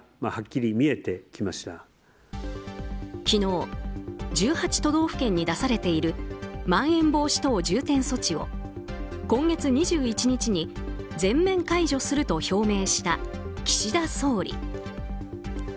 昨日１８都道府県に出されているまん延防止等重点措置を今月２１日に全面解除すると表明した岸田総理。